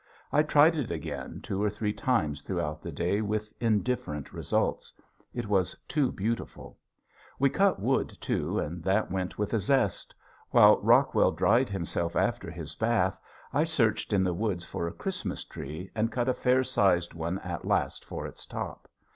I tried it again two or three times throughout the day with indifferent results; it was too beautiful. We cut wood too, and that went with a zest. While Rockwell dried himself after his bath I searched in the woods for a Christmas tree and cut a fair sized one at last for its top.